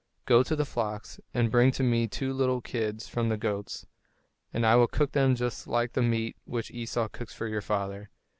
Go to the flocks and bring to me two little kids from the goats, and I will cook them just like the meat which Esau cooks for your father.